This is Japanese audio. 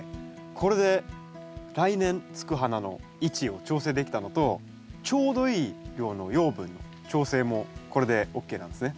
これで来年つく花の位置を調整できたのとちょうどいい量の養分の調整もこれでＯＫなんですね。